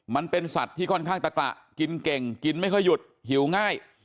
มันเป็นสัตว์ที่ค่อนข้างตะกะกินเก่งกินไม่ค่อยหยุดหิวง่าย